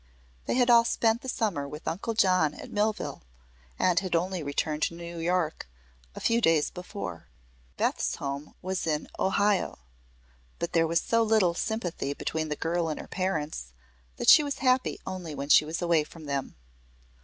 They had all spent the summer with Uncle John at Millville, and had only returned to New York a few days before. Beth's home was in Ohio, but there was so little sympathy between the girl and her parents that she was happy only when away from them.